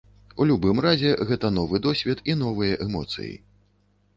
У любым разе, гэта новы досвед і новыя эмоцыі.